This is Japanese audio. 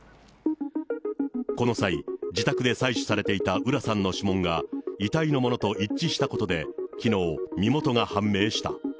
この際、自宅で採取されていた浦さんの指紋が、遺体のものと一致したことで、きのう、身元が判明した。